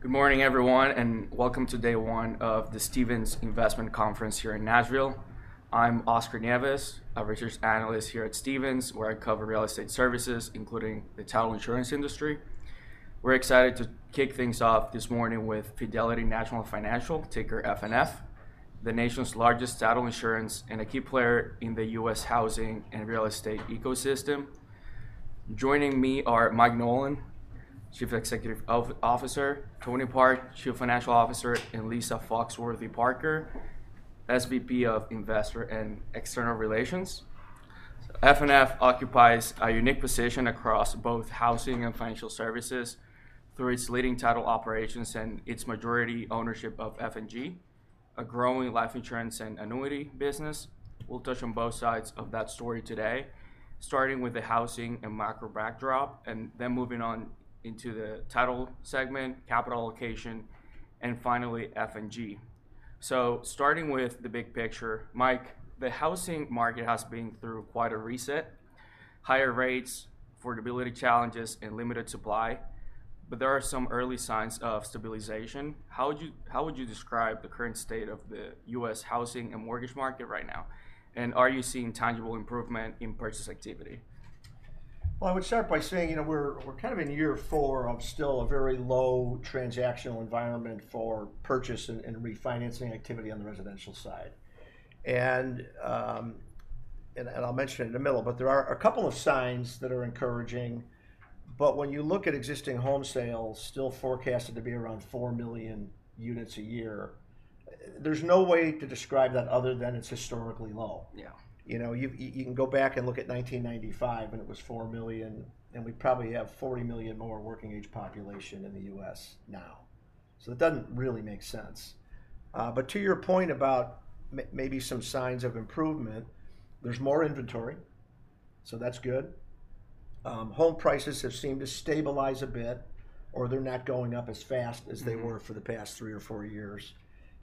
Good morning, everyone, and welcome to Day One of the Stephens Investment Conference here in Nashville. I'm Oscar Nieves; I'm Research Analyst here at Stephens, where I cover real estate services, including the title insurance industry. We're excited to kick things off this morning with Fidelity National Financial, ticker FNF, the nation's largest title insurance and a key player in the U.S. housing and real estate ecosystem. Joining me are Mike Nolan, Chief Executive Officer; Tony Park, Chief Financial Officer; and Lisa Foxworthy-Parker, SVP of Investor and External Relations. FNF occupies a unique position across both housing and financial services through its leading title operations and its majority ownership of F&G, a growing life insurance and annuity business. We'll touch on both sides of that story today, starting with the housing and macro backdrop, and then moving on into the title segment, capital allocation, and finally F&G. Starting with the big picture, Mike, the housing market has been through quite a reset: higher rates, affordability challenges, and limited supply. There are some early signs of stabilization. How would you describe the current state of the U.S. housing and mortgage market right now? Are you seeing tangible improvement in purchase activity? I would start by saying, you know, we're kind of in year four of still a very low transactional environment for purchase and refinancing activity on the residential side. I'll mention it in the middle, but there are a couple of signs that are encouraging. When you look at existing home sales, still forecasted to be around 4 million units a year, there's no way to describe that other than it's historically low. Yeah. You know, you can go back and look at 1995, and it was 4 million, and we probably have 40 million more working-age population in the U.S. now. It doesn't really make sense. To your point about maybe some signs of improvement, there's more inventory, so that's good. Home prices have seemed to stabilize a bit, or they're not going up as fast as they were for the past three or four years.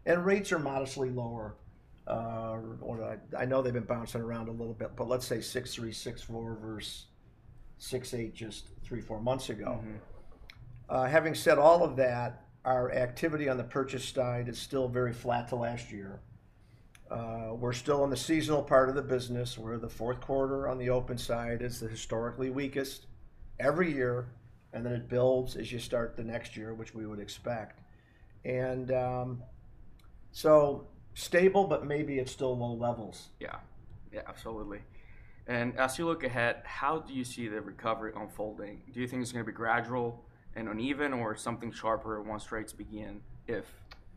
Rates are modestly lower. I know they've been bouncing around a little bit, but let's say 6.364% versus 6.8% just three, four months ago. Having said all of that, our activity on the purchase side is still very flat to last year. We're still in the seasonal part of the business where the fourth quarter on the open side is the historically weakest every year, and it builds as you start the next year, which we would expect. Stable, but maybe at still low levels. Yeah. Yeah, absolutely. As you look ahead, how do you see the recovery unfolding? Do you think it's going to be gradual and uneven, or something sharper once rates begin if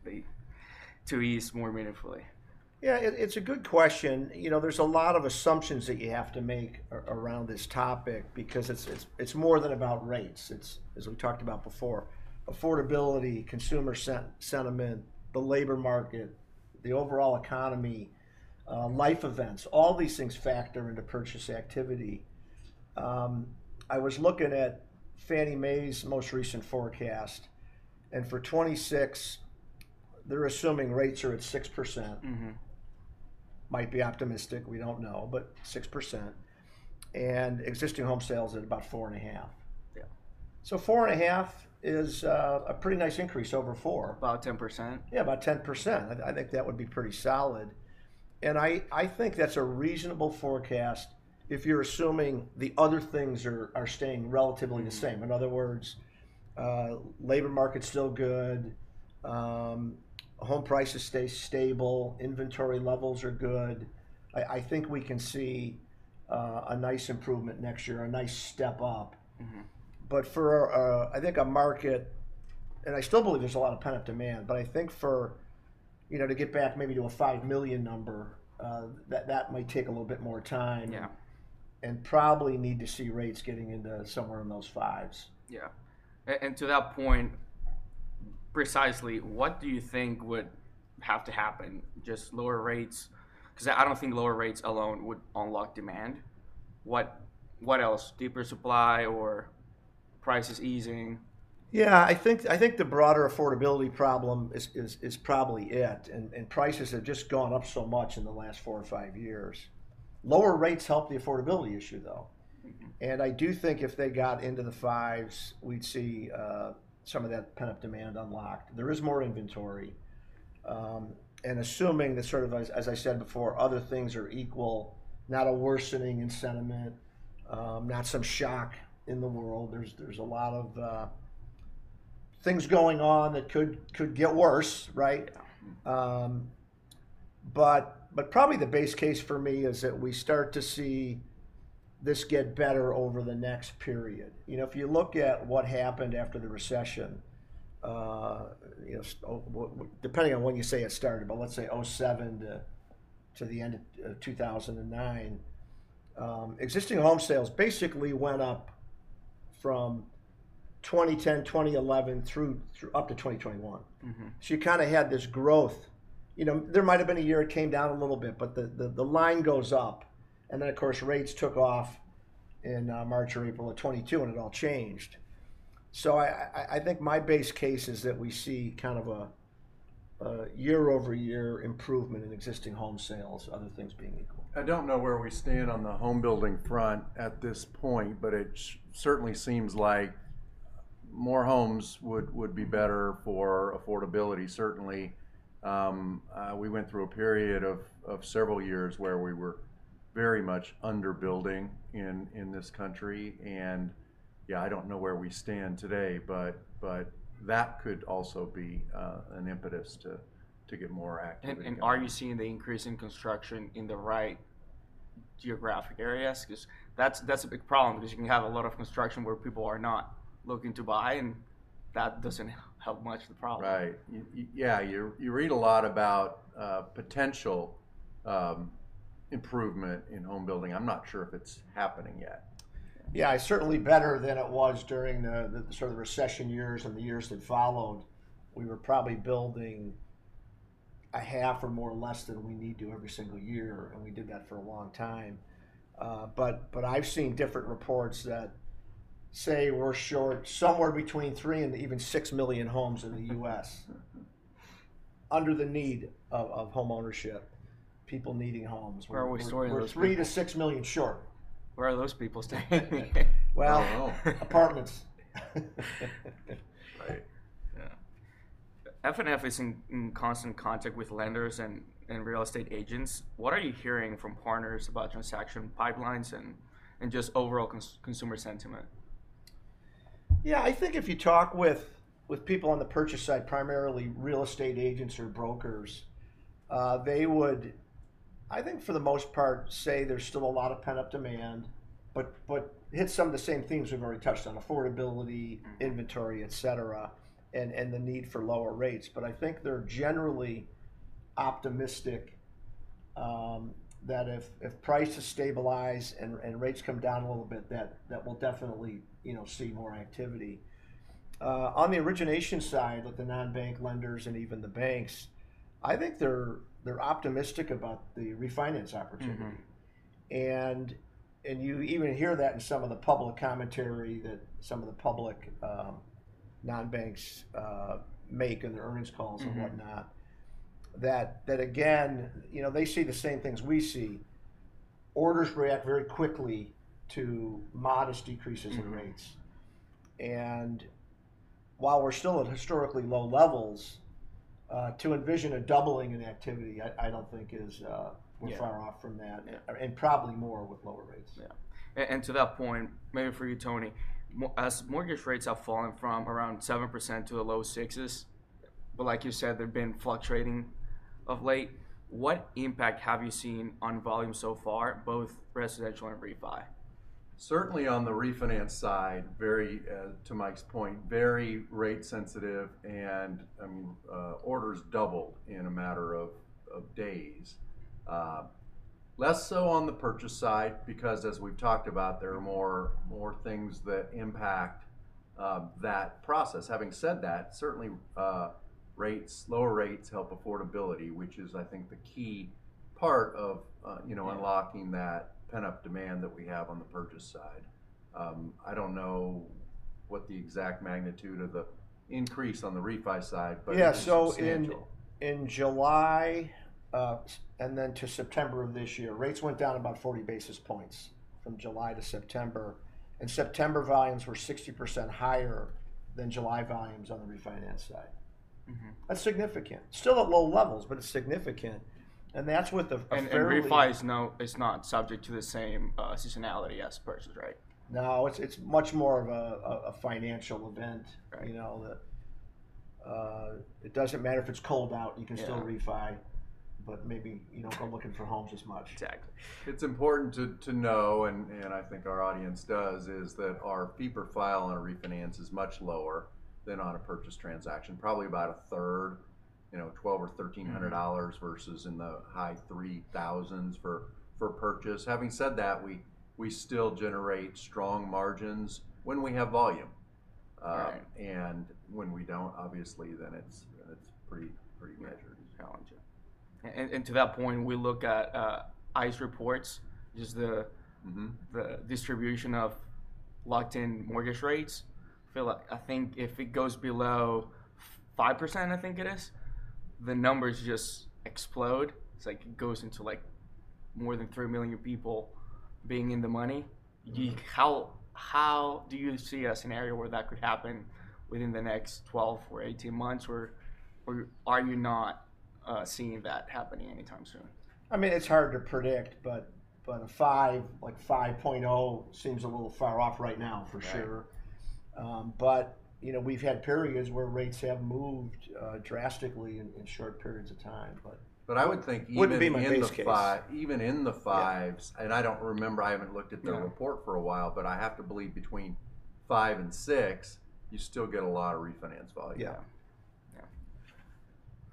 they ease more meaningfully? Yeah, it's a good question. You know, there's a lot of assumptions that you have to make around this topic because it's more than about rates. It's, as we talked about before, affordability, consumer sentiment, the labor market, the overall economy, life events, all these things factor into purchase activity. I was looking at Fannie Mae's most recent forecast, and for 2026, they're assuming rates are at 6%. Might be optimistic. We don't know, but 6%. And existing home sales at about 4.5. Yeah. 4.5 is a pretty nice increase over 4. About 10%. Yeah, about 10%. I think that would be pretty solid. I think that's a reasonable forecast if you're assuming the other things are staying relatively the same. In other words, labor market's still good, home prices stay stable, inventory levels are good. I think we can see a nice improvement next year, a nice step up. For, I think, a market, and I still believe there's a lot of pent-up demand, but I think for, you know, to get back maybe to a 5 million number, that might take a little bit more time. Yeah. Probably need to see rates getting into somewhere in those fives. Yeah. And to that point, precisely, what do you think would have to happen? Just lower rates? Because I do not think lower rates alone would unlock demand. What else? Deeper supply or prices easing? Yeah, I think the broader affordability problem is probably it. Prices have just gone up so much in the last four or five years. Lower rates help the affordability issue, though. I do think if they got into the fives, we'd see some of that pent-up demand unlocked. There is more inventory. Assuming that, as I said before, other things are equal, not a worsening in sentiment, not some shock in the world. There are a lot of things going on that could get worse, right? Probably the base case for me is that we start to see this get better over the next period. You know, if you look at what happened after the recession, you know, depending on when you say it started, but let's say 2007 to the end of 2009, existing home sales basically went up from 2010, 2011 through up to 2021. You kind of had this growth. You know, there might have been a year it came down a little bit, but the line goes up. Of course, rates took off in March or April of 2022, and it all changed. I think my base case is that we see kind of a year-over-year improvement in existing home sales, other things being equal. I don't know where we stand on the homebuilding front at this point, but it certainly seems like more homes would be better for affordability, certainly. We went through a period of several years where we were very much underbuilding in this country. Yeah, I don't know where we stand today, but that could also be an impetus to get more activity. Are you seeing the increase in construction in the right geographic areas? That is a big problem, because you can have a lot of construction where people are not looking to buy, and that does not help much the problem. Right. Yeah, you read a lot about potential improvement in homebuilding. I'm not sure if it's happening yet. Yeah, certainly better than it was during the sort of recession years and the years that followed. We were probably building half or more or less than we need to every single year, and we did that for a long time. I've seen different reports that say we're short somewhere between three and even six million homes in the U.S. under the need of homeownership, people needing homes. Where are we standing? We're three to six million short. Where are those people standing? Well, apartments. Right. Yeah. FNF is in constant contact with lenders and real estate agents. What are you hearing from partners about transaction pipelines and just overall consumer sentiment? Yeah, I think if you talk with people on the purchase side, primarily real estate agents or brokers, they would, I think for the most part, say there's still a lot of pent-up demand, but hit some of the same themes we've already touched on: affordability, inventory, etc., and the need for lower rates. I think they're generally optimistic that if prices stabilize and rates come down a little bit, that we'll definitely, you know, see more activity. On the origination side with the non-bank lenders and even the banks, I think they're optimistic about the refinance opportunity. You even hear that in some of the public commentary that some of the public non-banks make in their earnings calls and whatnot, that again, you know, they see the same things we see. Orders react very quickly to modest decreases in rates. While we're still at historically low levels, to envision a doubling in activity, I don't think we're far off from that, and probably more with lower rates. Yeah. To that point, maybe for you, Tony, as mortgage rates have fallen from around 7% to the low 6s, but like you said, they've been fluctuating of late, what impact have you seen on volume so far, both residential and refi? Certainly on the refinance side, very, to Mike's point, very rate sensitive, and I mean, orders doubled in a matter of days. Less so on the purchase side, because as we've talked about, there are more things that impact that process. Having said that, certainly rates, lower rates help affordability, which is, I think, the key part of, you know, unlocking that pent-up demand that we have on the purchase side. I don't know what the exact magnitude of the increase on the refi side, but it is essential. Yeah, so in July and then to September of this year, rates went down about 40 basis points from July to September, and September volumes were 60% higher than July volumes on the refinance side. That's significant. Still at low levels, but it's significant. And that's with a fairly. Refi is not subject to the same seasonality as purchase, right? No, it's much more of a financial event, you know, that it doesn't matter if it's cold out, you can still refi, but maybe you don't go looking for homes as much. Exactly. It's important to know, and I think our audience does, is that our fee profile on a refinance is much lower than on a purchase transaction, probably about a third, you know, $1,200 or $1,300 versus in the high $3,000s for purchase. Having said that, we still generate strong margins when we have volume. And when we do not, obviously, then it's pretty measured. Challenging. To that point, we look at ICE reports, just the distribution of locked-in mortgage rates. I think if it goes below 5%, the numbers just explode. It's like it goes into more than three million people being in the money. How do you see a scenario where that could happen within the next 12 or 18 months, or are you not seeing that happening anytime soon? I mean, it's hard to predict, but a 5, like 5.0, seems a little far off right now, for sure. You know, we've had periods where rates have moved drastically in short periods of time. I would think even in the. Wouldn't be my base case. Even in the fives, and I do not remember, I have not looked at the report for a while, but I have to believe between five and six, you still get a lot of refinance volume.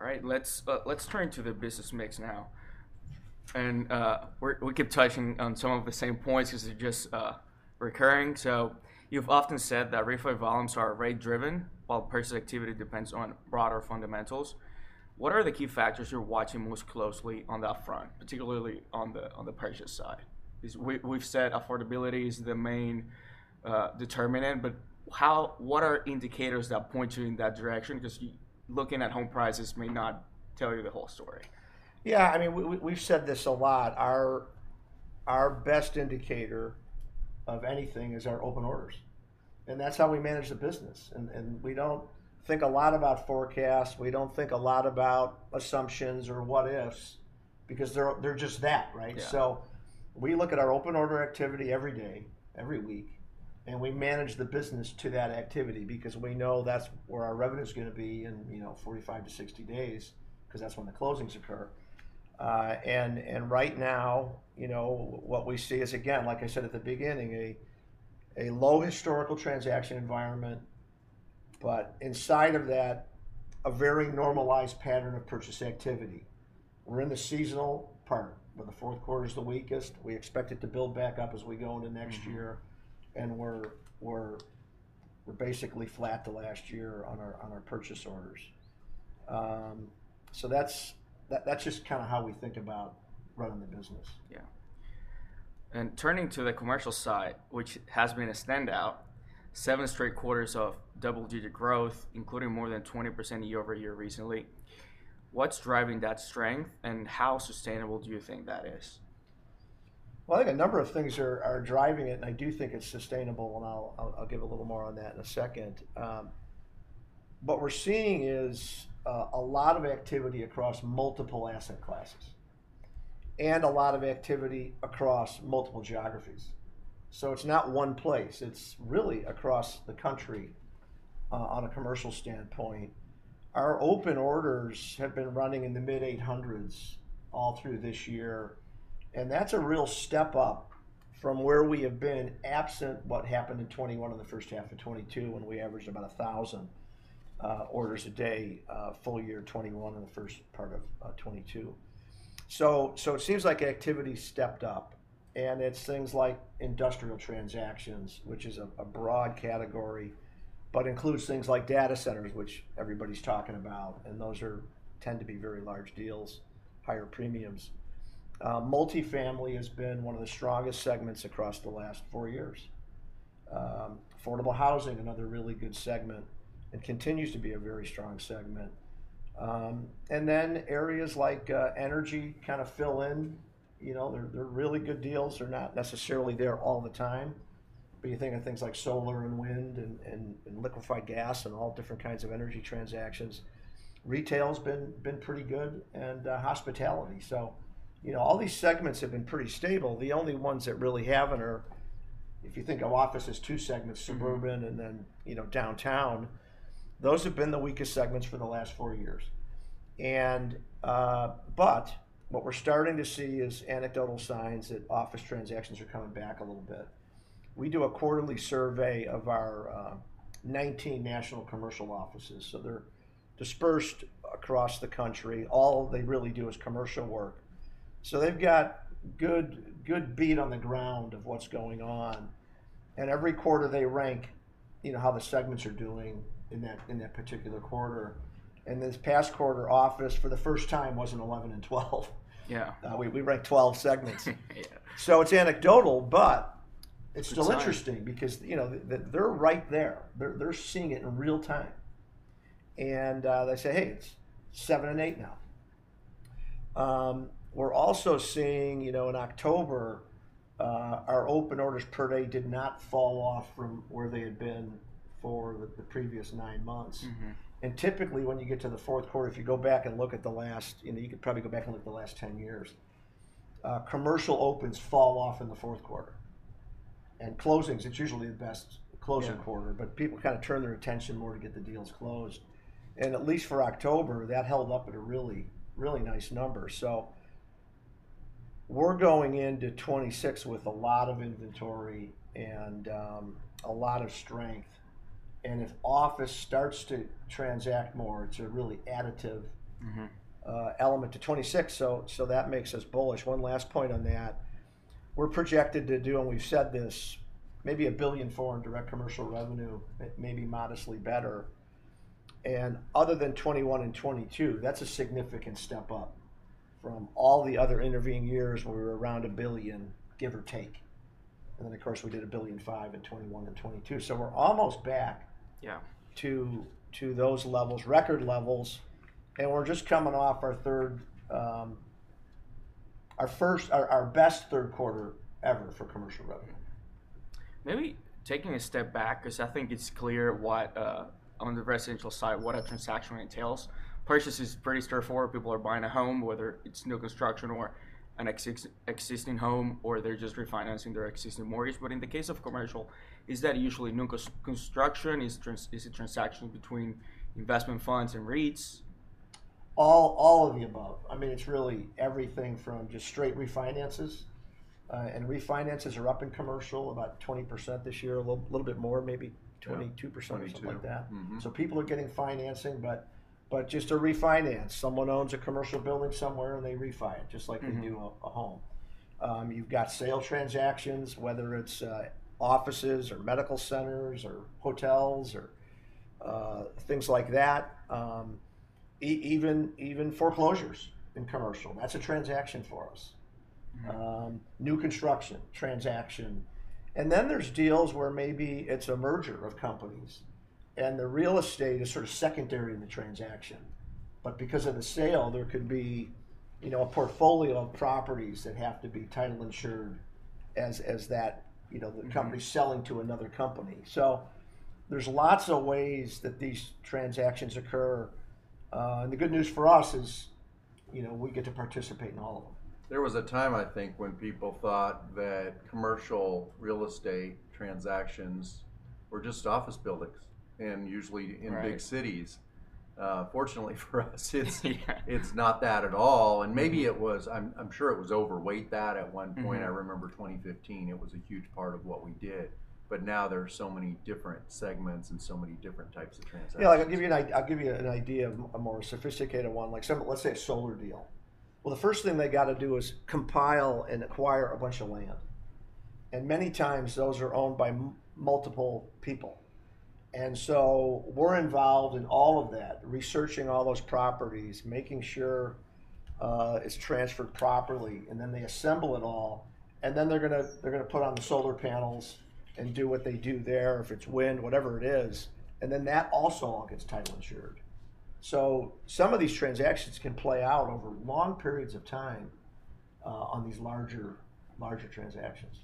Yeah. Yeah. All right, let's turn to the business mix now. We keep touching on some of the same points because they're just recurring. You've often said that refinance volumes are rate-driven, while purchase activity depends on broader fundamentals. What are the key factors you're watching most closely on that front, particularly on the purchase side? We've said affordability is the main determinant, but what are indicators that point you in that direction? Because looking at home prices may not tell you the whole story. Yeah, I mean, we've said this a lot. Our best indicator of anything is our open orders. That is how we manage the business. We do not think a lot about forecasts. We do not think a lot about assumptions or what-ifs, because they are just that, right? We look at our open order activity every day, every week, and we manage the business to that activity because we know that is where our revenue is going to be in, you know, 45-60 days, because that is when the closings occur. Right now, you know, what we see is, again, like I said at the beginning, a low historical transaction environment, but inside of that, a very normalized pattern of purchase activity. We are in the seasonal part, but the fourth quarter is the weakest. We expect it to build back up as we go into next year, and we're basically flat to last year on our purchase orders. That is just kind of how we think about running the business. Yeah. Turning to the commercial side, which has been a standout, seven straight quarters of double-digit growth, including more than 20% year-over-year recently. What's driving that strength, and how sustainable do you think that is? I think a number of things are driving it, and I do think it's sustainable, and I'll give a little more on that in a second. What we're seeing is a lot of activity across multiple asset classes and a lot of activity across multiple geographies. It's not one place. It's really across the country on a commercial standpoint. Our open orders have been running in the mid-800s all through this year, and that's a real step up from where we have been absent what happened in 2021 and the first half of 2022, when we averaged about 1,000 orders a day, full year 2021 and the first part of 2022. It seems like activity stepped up, and it's things like industrial transactions, which is a broad category, but includes things like data centers, which everybody's talking about, and those tend to be very large deals, higher premiums. Multifamily has been one of the strongest segments across the last four years. Affordable housing, another really good segment, and continues to be a very strong segment. Then areas like energy kind of fill in, you know, they're really good deals. They're not necessarily there all the time, but you think of things like solar and wind and liquefied gas and all different kinds of energy transactions. Retail has been pretty good, and hospitality. You know, all these segments have been pretty stable. The only ones that really haven't are, if you think of offices, two segments, suburban and then, you know, downtown, those have been the weakest segments for the last four years. What we're starting to see is anecdotal signs that office transactions are coming back a little bit. We do a quarterly survey of our 19 national commercial offices. So they're dispersed across the country. All they really do is commercial work. So they've got good beat on the ground of what's going on. Every quarter, they rank, you know, how the segments are doing in that particular quarter. This past quarter, office for the first time wasn't 11 and 12. Yeah, we ranked 12 segments. It's anecdotal, but it's still interesting because, you know, they're right there. They're seeing it in real time. They say, "Hey, it is seven and eight now." We are also seeing, you know, in October, our open orders per day did not fall off from where they had been for the previous nine months. Typically, when you get to the fourth quarter, if you go back and look at the last, you know, you could probably go back and look at the last 10 years, commercial opens fall off in the fourth quarter. Closings, it is usually the best closing quarter, but people kind of turn their attention more to get the deals closed. At least for October, that held up at a really, really nice number. We are going into 2026 with a lot of inventory and a lot of strength. If office starts to transact more, it is a really additive element to 2026. That makes us bullish. One last point on that. We're projected to do, and we've said this, maybe $1 billion for direct commercial revenue, maybe modestly better. Other than 2021 and 2022, that's a significant step up from all the other intervening years where we were around $1 billion, give or take. We did $1.5 billion in 2021 and 2022. We're almost back to those levels, record levels. We're just coming off our best third quarter ever for commercial revenue. Maybe taking a step back, because I think it's clear what on the residential side, what a transaction entails. Purchase is pretty straightforward. People are buying a home, whether it's new construction or an existing home, or they're just refinancing their existing mortgage. In the case of commercial, is that usually new construction? Is it transaction between investment funds and REITs? All of the above. I mean, it's really everything from just straight refinances. And refinances are up in commercial about 20% this year, a little bit more, maybe 22% or something like that. So people are getting financing, but just a refinance. Someone owns a commercial building somewhere and they refinance, just like they do a home. You've got sale transactions, whether it's offices or medical centers or hotels or things like that. Even foreclosures in commercial, that's a transaction for us. New construction transaction. And then there's deals where maybe it's a merger of companies and the real estate is sort of secondary in the transaction. But because of the sale, there could be, you know, a portfolio of properties that have to be title insured as that, you know, the company's selling to another company. So there's lots of ways that these transactions occur. The good news for us is, you know, we get to participate in all of them. There was a time, I think, when people thought that commercial real estate transactions were just office buildings and usually in big cities. Fortunately for us, it is not that at all. Maybe it was, I am sure it was overweight that at one point. I remember 2015, it was a huge part of what we did. Now there are so many different segments and so many different types of transactions. Yeah, I'll give you an idea of a more sophisticated one. Like some, let's say a solar deal. The first thing they got to do is compile and acquire a bunch of land. Many times those are owned by multiple people. We're involved in all of that, researching all those properties, making sure it's transferred properly, and then they assemble it all. They're going to put on the solar panels and do what they do there, if it's wind, whatever it is. That also all gets title insured. Some of these transactions can play out over long periods of time on these larger transactions.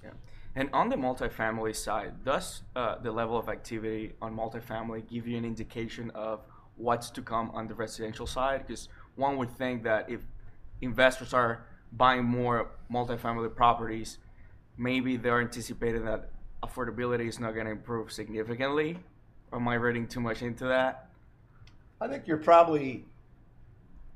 Yeah. On the multifamily side, does the level of activity on multifamily give you an indication of what is to come on the residential side? Because one would think that if investors are buying more multifamily properties, maybe they are anticipating that affordability is not going to improve significantly. Am I reading too much into that? I think you're probably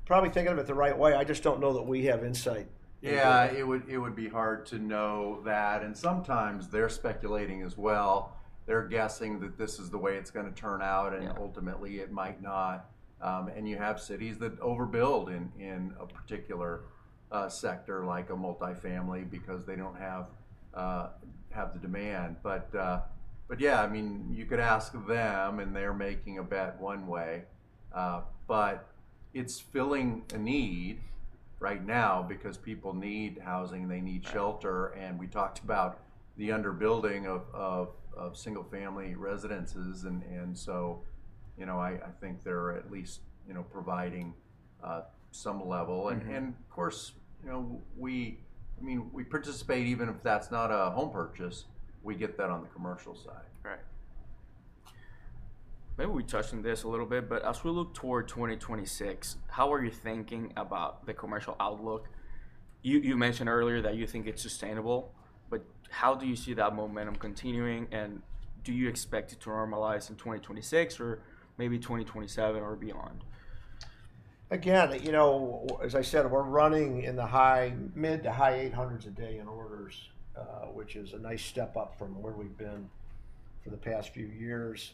thinking of it the right way. I just don't know that we have insight. Yeah, it would be hard to know that. Sometimes they're speculating as well. They're guessing that this is the way it's going to turn out, and ultimately it might not. You have cities that overbuild in a particular sector, like multifamily, because they do not have the demand. Yeah, I mean, you could ask them and they're making a bet one way. It is filling a need right now because people need housing, they need shelter. We talked about the underbuilding of single-family residences. I think they're at least providing some level. Of course, we participate even if that's not a home purchase, we get that on the commercial side. Right. Maybe we touched on this a little bit, but as we look toward 2026, how are you thinking about the commercial outlook? You mentioned earlier that you think it's sustainable, but how do you see that momentum continuing? Do you expect it to normalize in 2026 or maybe 2027 or beyond? Again, you know, as I said, we're running in the mid to high 800s a day in orders, which is a nice step up from where we've been for the past few years.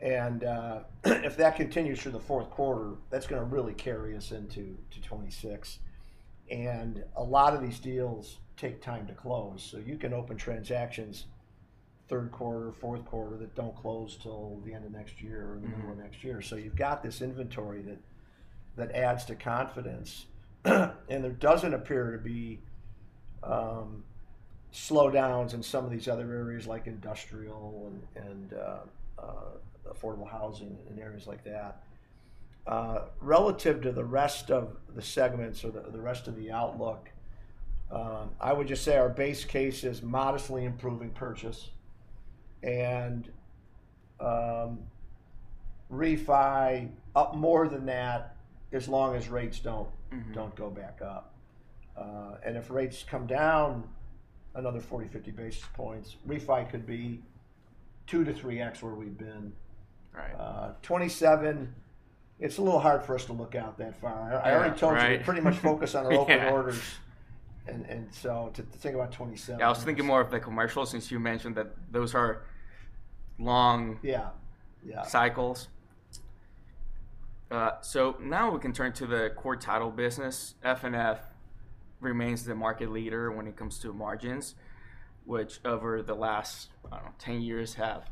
If that continues through the fourth quarter, that's going to really carry us into 2026. A lot of these deals take time to close. You can open transactions third quarter, fourth quarter that do not close till the end of next year or the middle of next year. You have this inventory that adds to confidence. There does not appear to be slowdowns in some of these other areas like industrial and affordable housing and areas like that. Relative to the rest of the segments or the rest of the outlook, I would just say our base case is modestly improving purchase and refi up more than that as long as rates do not go back up. If rates come down another 40-50 basis points, refi could be two to three X where we have been. 2027, it is a little hard for us to look out that far. I already told you we pretty much focus on open orders. To think about 2027. I was thinking more of the commercial since you mentioned that those are long cycles. Now we can turn to the core title business. FNF remains the market leader when it comes to margins, which over the last, I don't know, 10 years have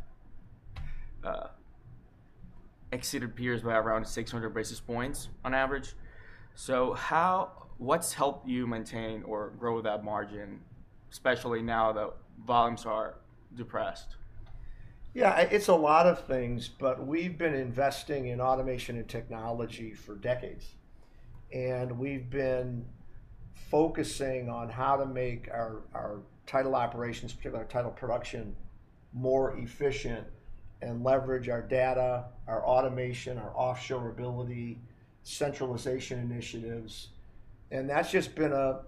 exceeded peers by around 600 basis points on average. What's helped you maintain or grow that margin, especially now that volumes are depressed? Yeah, it's a lot of things, but we've been investing in automation and technology for decades. We've been focusing on how to make our title operations, particularly our title production, more efficient and leverage our data, our automation, our offshore ability, centralization initiatives. That's just been a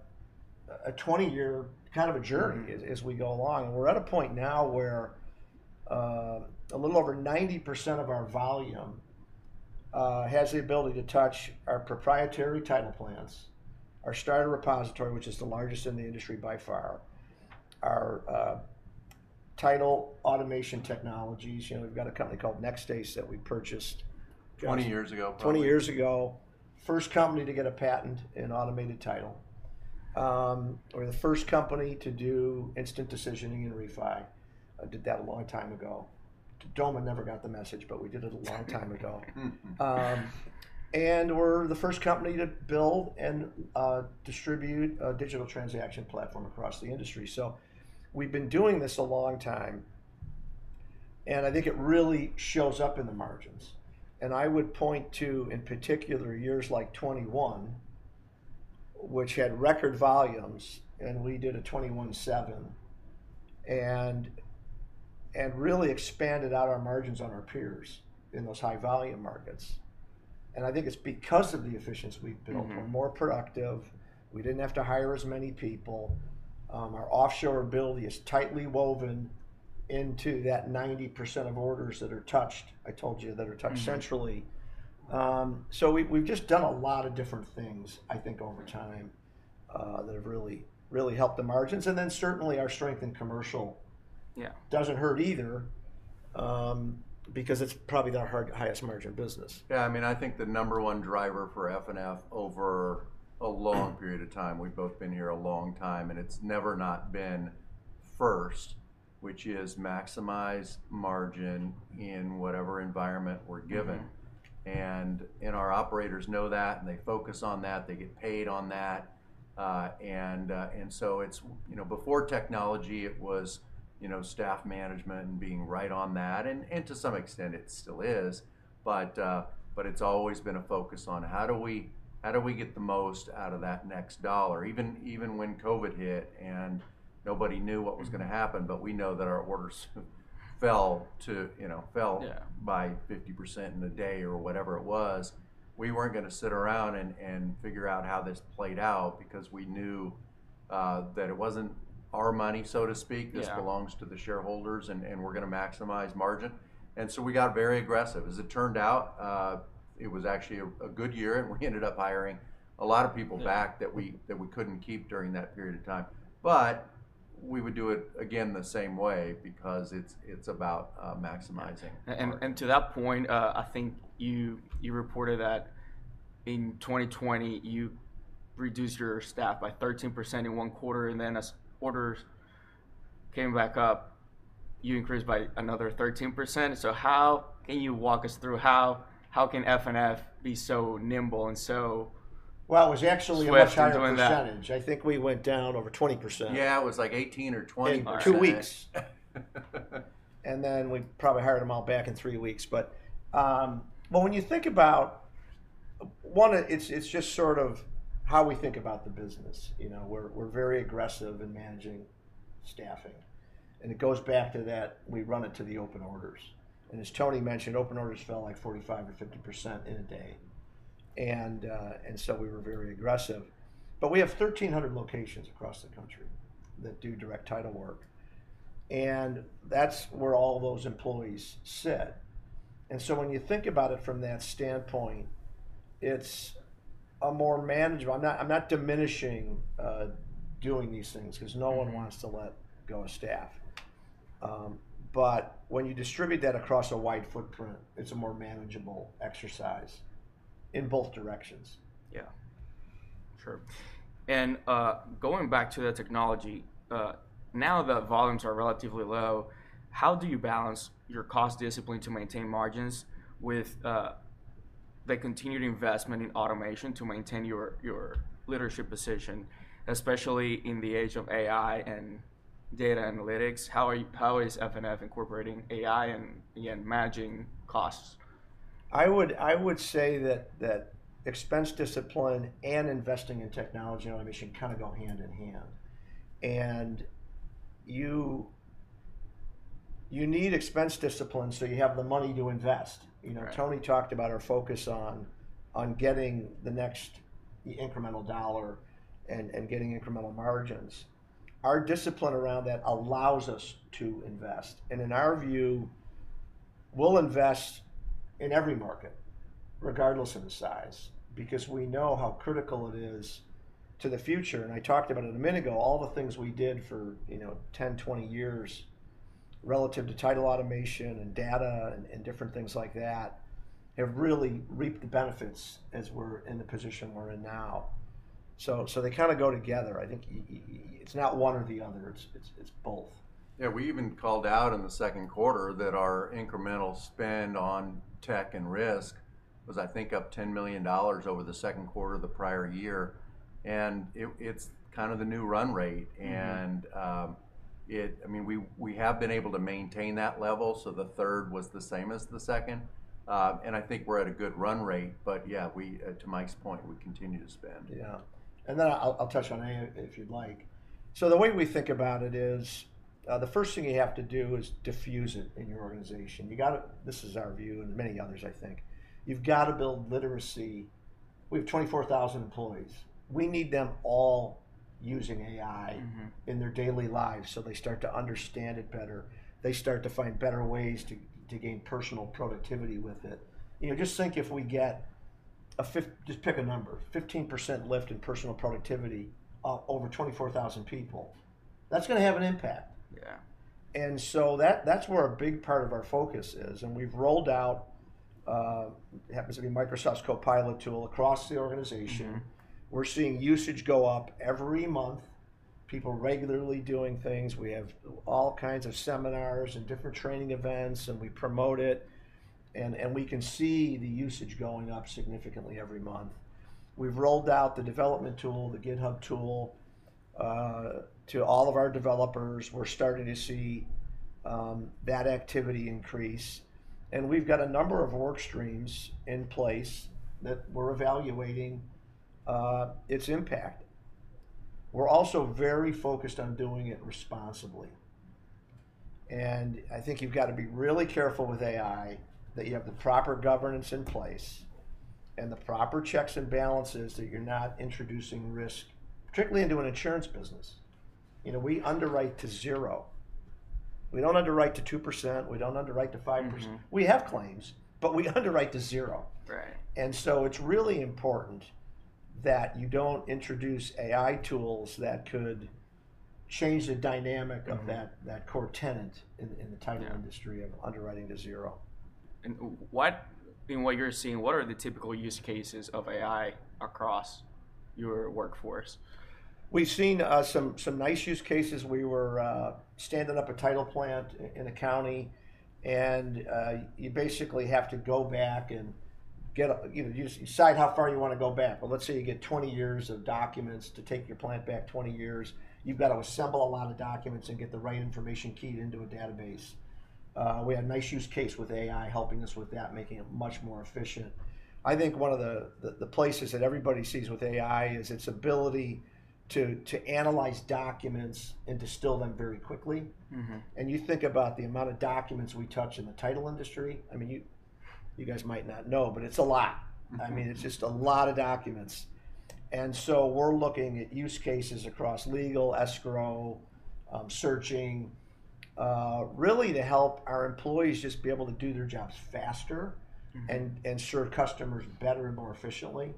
20-year kind of a journey as we go along. We're at a point now where a little over 90% of our volume has the ability to touch our proprietary title plants, our starter repository, which is the largest in the industry by far, our title automation technologies. You know, we've got a company called Nextase that we purchased. 20 years ago. 20 years ago, first company to get a patent in automated title, or the first company to do instant decisioning in refi. Did that a long time ago. Doman never got the message, but we did it a long time ago. We are the first company to build and distribute a digital transaction platform across the industry. We have been doing this a long time. I think it really shows up in the margins. I would point to, in particular, years like 2021, which had record volumes, and we did a 2021-2027, and really expanded out our margins on our peers in those high volume markets. I think it is because of the efficiency we have built. We are more productive. We did not have to hire as many people. Our offshore ability is tightly woven into that 90% of orders that are touched, I told you, that are touched centrally. We've just done a lot of different things, I think, over time that have really, really helped the margins. And then certainly our strength in commercial doesn't hurt either because it's probably the highest margin business. Yeah, I mean, I think the number one driver for FNF over a long period of time. We've both been here a long time, and it's never not been first, which is maximize margin in whatever environment we're given. Our operators know that, and they focus on that. They get paid on that. It's, you know, before technology, it was, you know, staff management and being right on that. To some extent, it still is. It's always been a focus on how do we get the most out of that next dollar, even when COVID hit and nobody knew what was going to happen, but we know that our orders fell to, you know, fell by 50% in a day or whatever it was. We were not going to sit around and figure out how this played out because we knew that it was not our money, so to speak. This belongs to the shareholders, and we are going to maximize margin. We got very aggressive. As it turned out, it was actually a good year, and we ended up hiring a lot of people back that we could not keep during that period of time. We would do it again the same way because it is about maximizing. To that point, I think you reported that in 2020, you reduced your staff by 13% in one quarter, and then as orders came back up, you increased by another 13%. How can you walk us through how can FNF be so nimble and so. It was actually a much higher percentage. I think we went down over 20%. Yeah, it was like 18% or 20%. In two weeks. And then we probably hired them all back in three weeks. But when you think about one, it's just sort of how we think about the business. You know, we're very aggressive in managing staffing. It goes back to that we run it to the open orders. As Tony mentioned, open orders fell like 45%-50% in a day. We were very aggressive. We have 1,300 locations across the country that do direct title work. That's where all those employees sit. When you think about it from that standpoint, it's a more manageable, I'm not diminishing doing these things because no one wants to let go of staff. When you distribute that across a wide footprint, it's a more manageable exercise in both directions. Yeah, sure. Going back to the technology, now that volumes are relatively low, how do you balance your cost discipline to maintain margins with the continued investment in automation to maintain your leadership position, especially in the age of AI and data analytics? How is FNF incorporating AI and managing costs? I would say that expense discipline and investing in technology and automation kind of go hand in hand. You need expense discipline so you have the money to invest. You know, Tony talked about our focus on getting the next incremental dollar and getting incremental margins. Our discipline around that allows us to invest. In our view, we'll invest in every market, regardless of the size, because we know how critical it is to the future. I talked about it a minute ago, all the things we did for, you know, 10, 20 years relative to title automation and data and different things like that have really reaped the benefits as we're in the position we're in now. They kind of go together. I think it's not one or the other. It's both. Yeah, we even called out in the second quarter that our incremental spend on tech and risk was, I think, up $10 million over the second quarter of the prior year. It's kind of the new run rate. I mean, we have been able to maintain that level. The third was the same as the second. I think we're at a good run rate. Yeah, to Mike's point, we continue to spend. Yeah. And then I'll touch on it if you'd like. The way we think about it is the first thing you have to do is diffuse it in your organization. You got to, this is our view and many others, I think. You’ve got to build literacy. We have 24,000 employees. We need them all using AI in their daily lives so they start to understand it better. They start to find better ways to gain personal productivity with it. You know, just think if we get a, just pick a number, 15% lift in personal productivity over 24,000 people, that's going to have an impact. Yeah. That’s where a big part of our focus is. We’ve rolled out, happens to be Microsoft’s Copilot tool across the organization. We’re seeing usage go up every month. People regularly doing things. We have all kinds of seminars and different training events, and we promote it. We can see the usage going up significantly every month. We have rolled out the development tool, the GitHub tool to all of our developers. We are starting to see that activity increase. We have a number of work streams in place that we are evaluating its impact. We are also very focused on doing it responsibly. I think you have to be really careful with AI that you have the proper governance in place and the proper checks and balances that you are not introducing risk, particularly into an insurance business. You know, we underwrite to zero. We do not underwrite to 2%. We do not underwrite to 5%. We have claims, but we underwrite to zero. It is really important that you do not introduce AI tools that could change the dynamic of that core tenet in the title industry of underwriting to zero. In what you're seeing, what are the typical use cases of AI across your workforce? We've seen some nice use cases. We were standing up a title plant in a county, and you basically have to go back and decide how far you want to go back. But let's say you get 20 years of documents to take your plant back 20 years. You've got to assemble a lot of documents and get the right information keyed into a database. We have a nice use case with AI helping us with that, making it much more efficient. I think one of the places that everybody sees with AI is its ability to analyze documents and distill them very quickly. You think about the amount of documents we touch in the title industry. I mean, you guys might not know, but it's a lot. I mean, it's just a lot of documents. We're looking at use cases across legal, escrow, searching, really to help our employees just be able to do their jobs faster and serve customers better and more efficiently.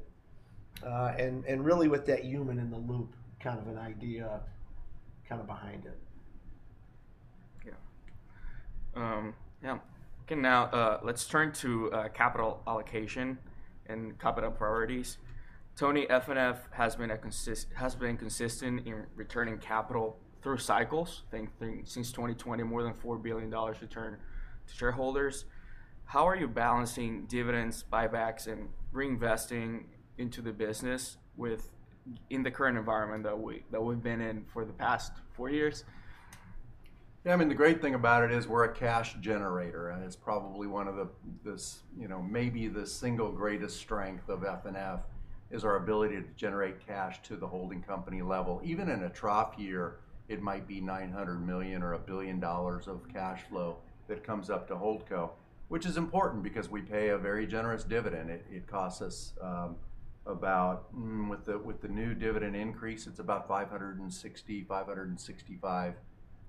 Really with that human in the loop kind of an idea kind of behind it. Yeah. Yeah. Okay, now let's turn to capital allocation and capital priorities. Tony, FNF has been consistent in returning capital through cycles. I think since 2020, more than $4 billion returned to shareholders. How are you balancing dividends, buybacks, and reinvesting into the business in the current environment that we've been in for the past four years? Yeah. I mean, the great thing about it is we're a cash generator. And it's probably one of the, you know, maybe the single greatest strength of FNF is our ability to generate cash to the holding company level. Even in a trough year, it might be $900 million or a billion dollars of cash flow that comes up to Holdco, which is important because we pay a very generous dividend. It costs us about, with the new dividend increase, it's about $560-$565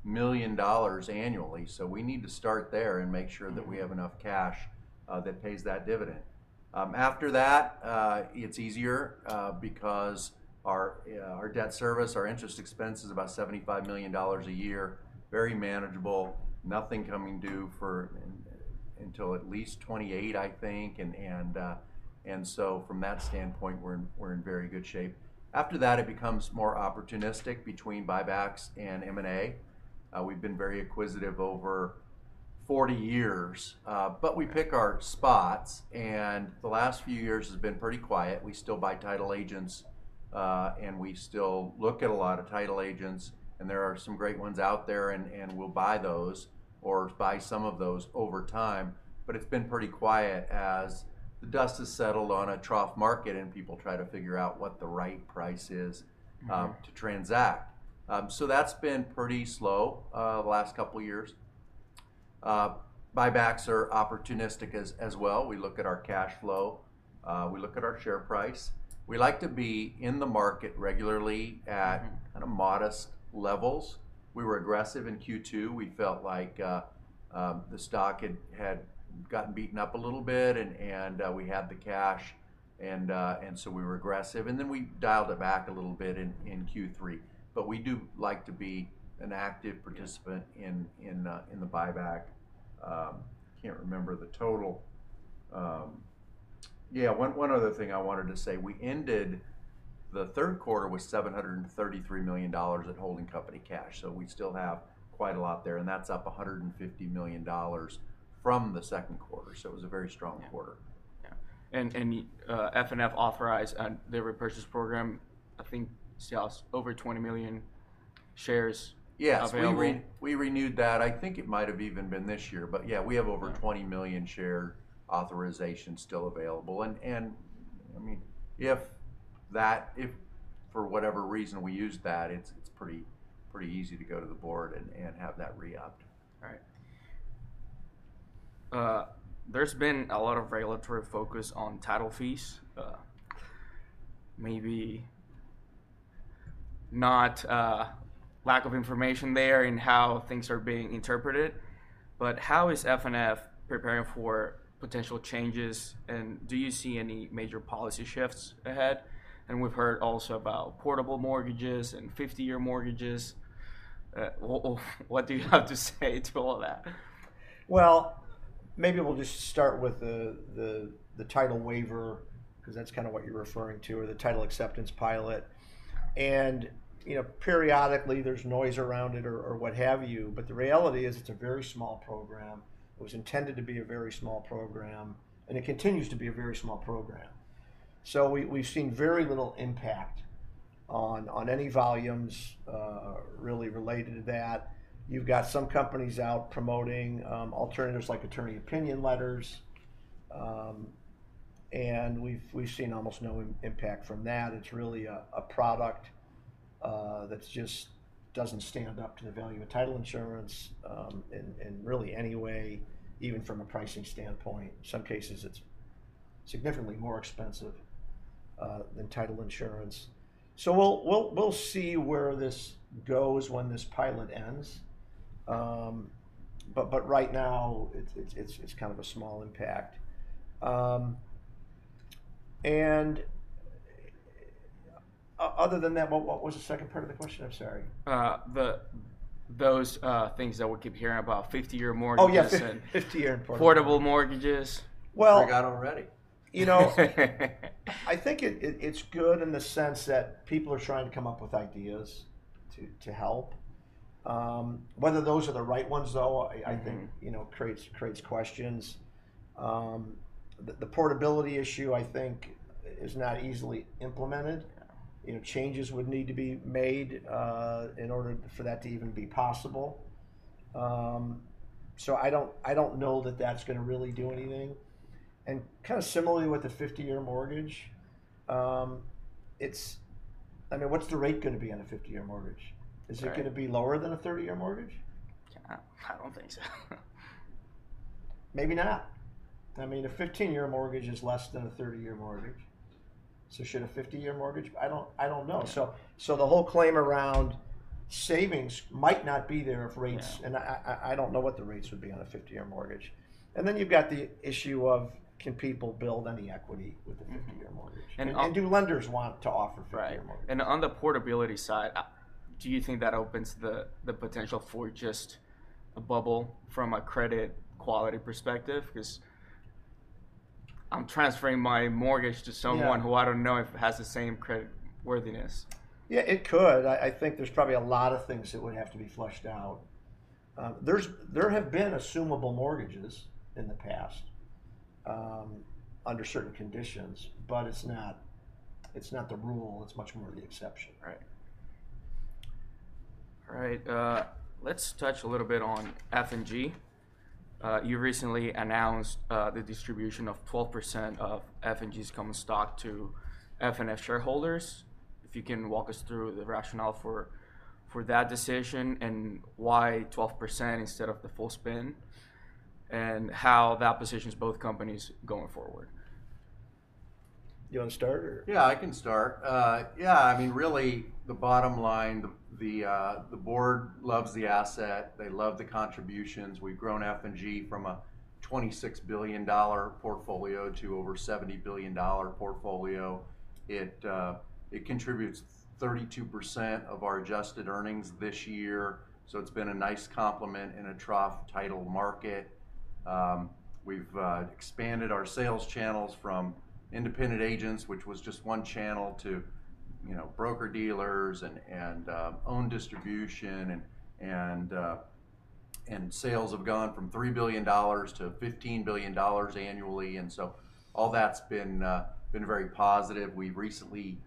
million annually. We need to start there and make sure that we have enough cash that pays that dividend. After that, it's easier because our debt service, our interest expense is about $75 million a year, very manageable, nothing coming due until at least 2028, I think. From that standpoint, we're in very good shape. After that, it becomes more opportunistic between buybacks and M&A. We've been very acquisitive over 40 years, but we pick our spots. The last few years has been pretty quiet. We still buy title agents, and we still look at a lot of title agents. There are some great ones out there, and we'll buy those or buy some of those over time. It's been pretty quiet as the dust has settled on a trough market and people try to figure out what the right price is to transact. That has been pretty slow the last couple of years. Buybacks are opportunistic as well. We look at our cash flow. We look at our share price. We like to be in the market regularly at kind of modest levels. We were aggressive in Q2. We felt like the stock had gotten beaten up a little bit, and we had the cash. We were aggressive. We dialed it back a little bit in Q3. We do like to be an active participant in the buyback. Cannot remember the total. Yeah, one other thing I wanted to say, we ended the third quarter with $733 million at holding company cash. We still have quite a lot there. That is up $150 million from the second quarter. It was a very strong quarter. Yeah. FNF authorized their repurchase program, I think sells over 20 million shares. Yes, we renewed that. I think it might have even been this year. Yeah, we have over 20 million share authorization still available. I mean, if for whatever reason we use that, it's pretty easy to go to the board and have that re-upped. All right. There has been a lot of regulatory focus on title fees. Maybe not lack of information there in how things are being interpreted. How is FNF preparing for potential changes? Do you see any major policy shifts ahead? We have heard also about portable mortgages and 50-year mortgages. What do you have to say to all of that? Maybe we'll just start with the title waiver because that's kind of what you're referring to or the title acceptance pilot. You know, periodically there's noise around it or what have you. The reality is it's a very small program. It was intended to be a very small program, and it continues to be a very small program. We've seen very little impact on any volumes really related to that. You've got some companies out promoting alternatives like attorney opinion letters. We've seen almost no impact from that. It's really a product that just doesn't stand up to the value of title insurance in really any way, even from a pricing standpoint. In some cases, it's significantly more expensive than title insurance. We'll see where this goes when this pilot ends. Right now, it's kind of a small impact. Other than that, what was the second part of the question? I'm sorry. Those things that we keep hearing about 50-year mortgages. Oh, yes, 50-year portable mortgages. I got already. You know, I think it's good in the sense that people are trying to come up with ideas to help. Whether those are the right ones, though, I think creates questions. The portability issue, I think, is not easily implemented. You know, changes would need to be made in order for that to even be possible. I don't know that that's going to really do anything. Kind of similarly with the 50-year mortgage, it's, I mean, what's the rate going to be on a 50-year mortgage? Is it going to be lower than a 30-year mortgage? I don't think so. Maybe not. I mean, a 15-year mortgage is less than a 30-year mortgage. Should a 50-year mortgage, I do not know. The whole claim around savings might not be there if rates, and I do not know what the rates would be on a 50-year mortgage. Then you have got the issue of can people build any equity with the 50-year mortgage? Do lenders want to offer 50-year mortgage? On the portability side, do you think that opens the potential for just a bubble from a credit quality perspective? Because I'm transferring my mortgage to someone who I don't know if has the same credit worthiness. Yeah, it could. I think there's probably a lot of things that would have to be flushed out. There have been assumable mortgages in the past under certain conditions, but it's not the rule. It's much more the exception. Right. All right. Let's touch a little bit on F&G. You recently announced the distribution of 12% of F&G's common stock to FNF shareholders. If you can walk us through the rationale for that decision and why 12% instead of the full spin and how that positions both companies going forward. Do you want to start or? Yeah, I can start. Yeah. I mean, really, the bottom line, the board loves the asset. They love the contributions. We've grown F&G from a $26 billion portfolio to over $70 billion portfolio. It contributes 32% of our adjusted earnings this year. It has been a nice complement in a trough title market. We've expanded our sales channels from independent agents, which was just one channel, to broker dealers and own distribution. Sales have gone from $3 billion to $15 billion annually. All that's been very positive. We recently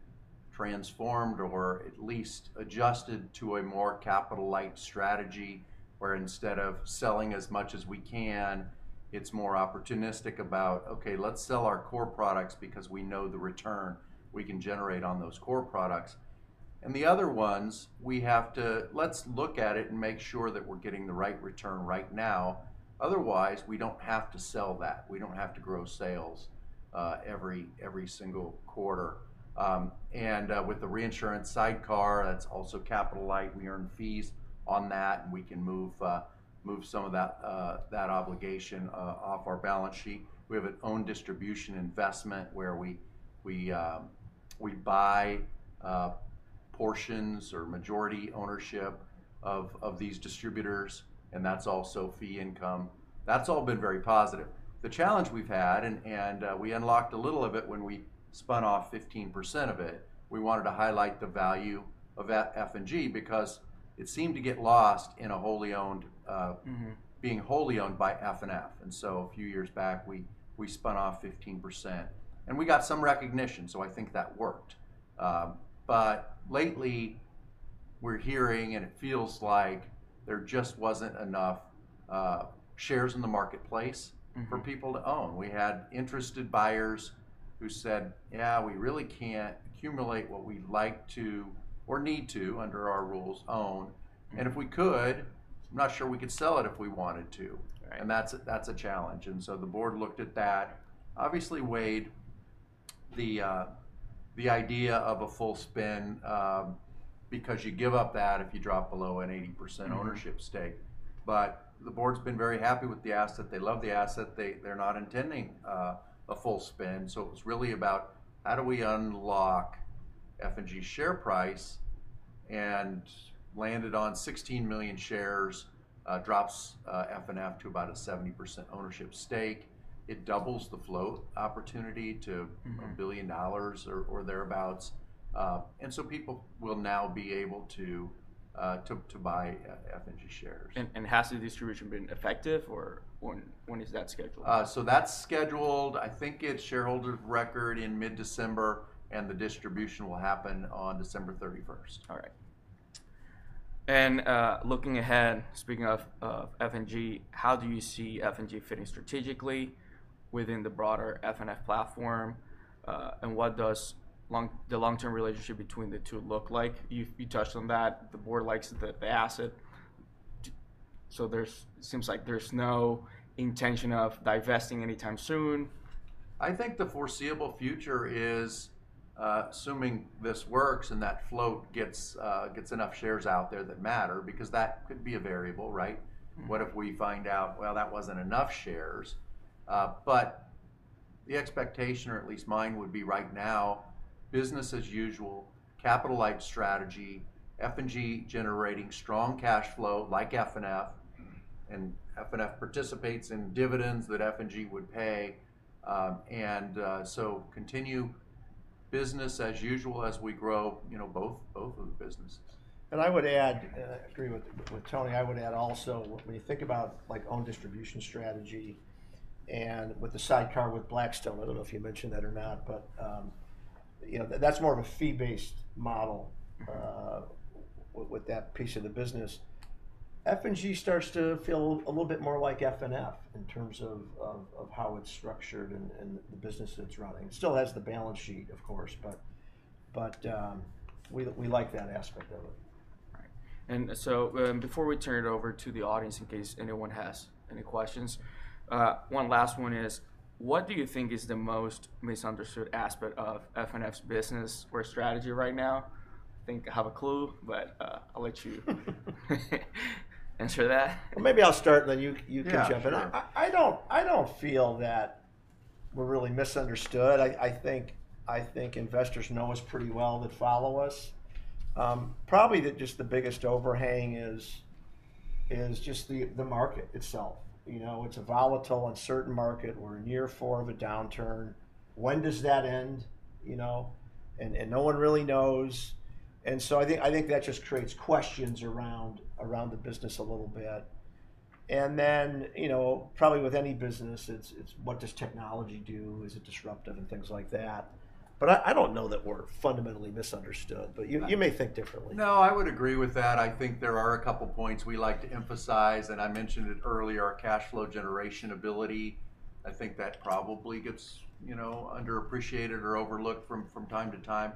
transformed or at least adjusted to a more capital-light strategy where instead of selling as much as we can, it's more opportunistic about, okay, let's sell our core products because we know the return we can generate on those core products. The other ones, we have to, let's look at it and make sure that we're getting the right return right now. Otherwise, we don't have to sell that. We don't have to grow sales every single quarter. With the reinsurance sidecar, that's also capital light. We earn fees on that, and we can move some of that obligation off our balance sheet. We have an own distribution investment where we buy portions or majority ownership of these distributors. That's also fee income. That's all been very positive. The challenge we've had, and we unlocked a little of it when we spun off 15% of it, we wanted to highlight the value of F&G because it seemed to get lost in a wholly owned, being wholly owned by FNF. A few years back, we spun off 15%. We got some recognition. I think that worked. Lately, we're hearing, and it feels like there just wasn't enough shares in the marketplace for people to own. We had interested buyers who said, yeah, we really can't accumulate what we'd like to or need to under our rules own. If we could, I'm not sure we could sell it if we wanted to. That's a challenge. The board looked at that, obviously weighed the idea of a full spin because you give up that if you drop below an 80% ownership stake. The board's been very happy with the asset. They love the asset. They're not intending a full spin. It was really about how do we unlock F&G's share price and landed on 16 million shares, drops FNF to about a 70% ownership stake. It doubles the float opportunity to $1 billion or thereabouts. People will now be able to buy F&G shares. Has the distribution been effective or when is that scheduled? That's scheduled. I think it's shareholder record in mid-December, and the distribution will happen on December 31. All right. Looking ahead, speaking of F&G, how do you see F&G fitting strategically within the broader FNF platform? What does the long-term relationship between the two look like? You touched on that. The board likes the asset. It seems like there is no intention of divesting anytime soon. I think the foreseeable future is assuming this works and that float gets enough shares out there that matter because that could be a variable, right? What if we find out, well, that was not enough shares? The expectation, or at least mine, would be right now, business as usual, capital-light strategy, F&G generating strong cash flow like FNF, and FNF participates in dividends that F&G would pay. Continue business as usual as we grow, you know, both of the businesses. I would add, and I agree with Tony, I would add also when you think about own distribution strategy and with the sidecar with Blackstone, I do not know if you mentioned that or not, but you know that is more of a fee-based model with that piece of the business. F&G starts to feel a little bit more like FNF in terms of how it's structured and the business that it's running. It still has the balance sheet, of course, but we like that aspect of it. All right. Before we turn it over to the audience, in case anyone has any questions, one last one is, what do you think is the most misunderstood aspect of FNF's business or strategy right now? I think I have a clue, but I'll let you answer that. Maybe I'll start, and then you can jump in. I don't feel that we're really misunderstood. I think investors know us pretty well that follow us. Probably just the biggest overhang is just the market itself. You know, it's a volatile, uncertain market. We're in year four of a downturn. When does that end? You know, and no one really knows. I think that just creates questions around the business a little bit. You know, probably with any business, it's what does technology do? Is it disruptive and things like that? I don't know that we're fundamentally misunderstood, but you may think differently. No, I would agree with that. I think there are a couple of points we like to emphasize. I mentioned it earlier, our cash flow generation ability. I think that probably gets, you know, underappreciated or overlooked from time to time.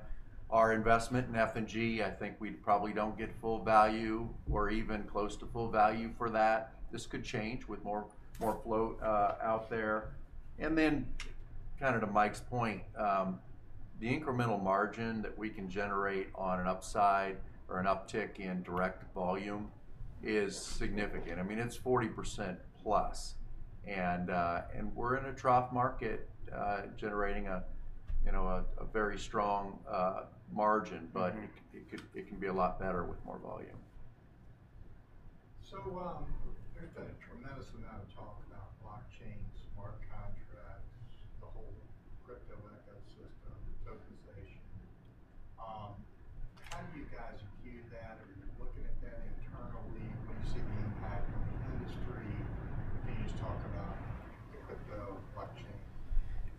Our investment in F&G, I think we probably do not get full value or even close to full value for that. This could change with more float out there. Kind of to Mike's point, the incremental margin that we can generate on an upside or an uptick in direct volume is significant. I mean, it is 40%+. We are in a trough market generating a very strong margin, but it can be a lot better with more volume. There has been a tremendous amount of talk about blockchains, smart contracts, the whole crypto ecosystem, tokenization. How do you guys view that?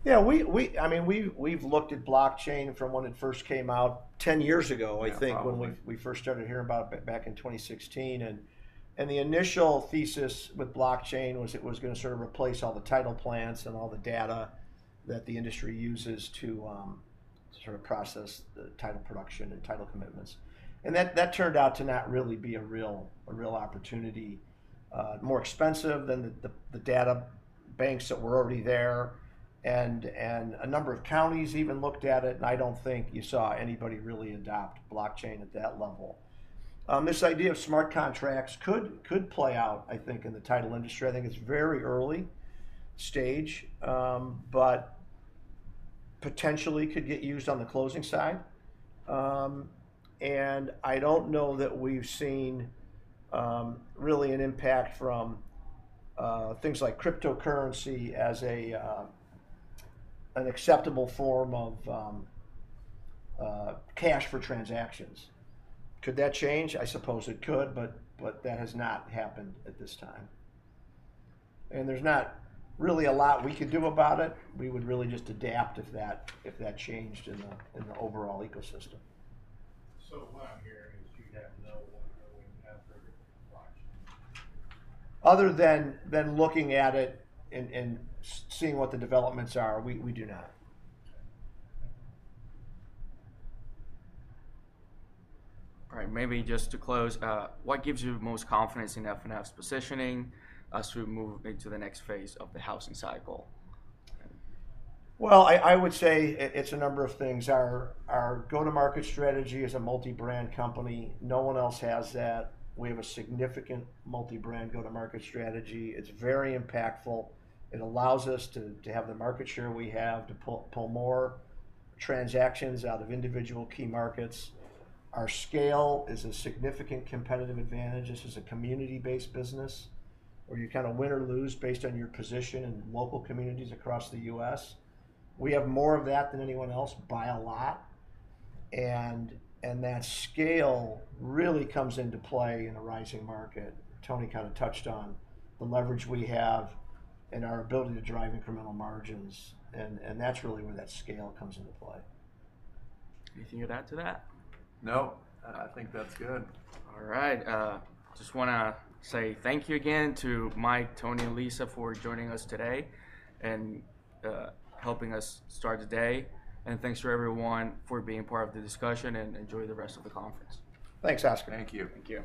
Are you looking at that internally? What do you see the impact on the industry? Can you just talk about the crypto blockchain? Yeah, I mean, we've looked at blockchain from when it first came out 10 years ago, I think, when we first started hearing about it back in 2016. The initial thesis with blockchain was it was going to sort of replace all the title plants and all the data that the industry uses to sort of process the title production and title commitments. That turned out to not really be a real opportunity. More expensive than the data banks that were already there. A number of counties even looked at it. I do not think you saw anybody really adopt blockchain at that level. This idea of smart contracts could play out, I think, in the title industry. I think it is very early stage, but potentially could get used on the closing side. I do not know that we have seen really an impact from things like cryptocurrency as an acceptable form of cash for transactions. Could that change? I suppose it could, but that has not happened at this time. There is not really a lot we could do about it. We would really just adapt if that changed in the overall ecosystem. So what I'm hearing is you'd have no one knowing how to do everything with blockchain? Other than looking at it and seeing what the developments are, we do not. All right. Maybe just to close, what gives you the most confidence in FNF's positioning as we move into the next phase of the housing cycle? I would say it's a number of things. Our go-to-market strategy is a multi-brand company. No one else has that. We have a significant multi-brand go-to-market strategy. It's very impactful. It allows us to have the market share we have to pull more transactions out of individual key markets. Our scale is a significant competitive advantage. This is a community-based business where you kind of win or lose based on your position in local communities across the U.S. We have more of that than anyone else by a lot. That scale really comes into play in a rising market. Tony kind of touched on the leverage we have and our ability to drive incremental margins. That's really where that scale comes into play. Anything to add to that? No. I think that's good. All right. Just want to say thank you again to Mike, Tony, and Lisa for joining us today and helping us start the day. Thank you for everyone for being part of the discussion and enjoy the rest of the conference. Thanks, Oscar. Thank you. Thank you.